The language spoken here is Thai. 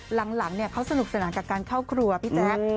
หลังเนี่ยเขาสนุกเสนอกับการเข้ากลัวพี่แจ๊ก